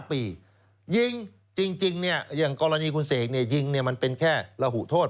๕ปียิงจริงอย่างกรณีคุณเสกยิงมันเป็นแค่ระหูโทษ